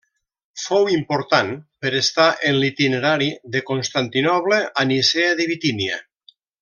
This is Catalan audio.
Fou important per estar en l'itinerari de Constantinoble a Nicea de Bitínia.